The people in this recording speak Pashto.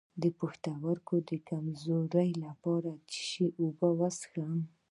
د پښتورګو د کمزوری لپاره د څه شي اوبه وڅښم؟